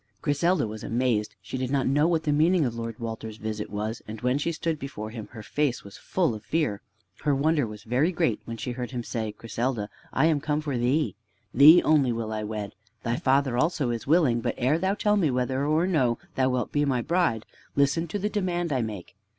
Griselda was amazed. She did not know what the meaning of Lord Walter's visit was, and when she stood before him her face was full of fear. Her wonder was very great when she heard him say: "Griselda, I am come for thee. Thee only will I wed. Thy father also is willing. But ere thou tell me whether or no thou wilt be my bride, listen to the demand I make.